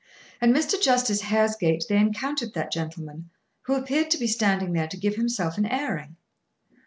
At Mr. Justice Hare's gate they encountered that gentleman, who appeared to be standing there to give himself an airing.